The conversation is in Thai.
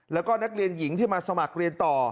แล้วก็นักเรียนหญิงที่มาสมัครเรียนต่อ